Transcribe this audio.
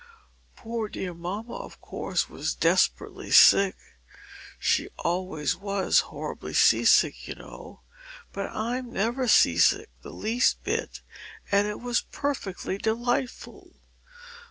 Poor dear mamma, of course, was desperately sick she always was horribly sea sick, you know; but I'm never sea sick the least bit, and it was perfectly delightful.